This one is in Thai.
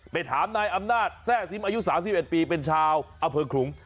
ไปถามนายอำนาจแทร่ซิมอายุ๓๑ปีเป็นชาวอำเภอขลุง